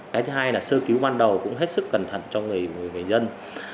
cái thứ hai là sơ cứu ban đầu cũng hết sức cẩn thận cho người dân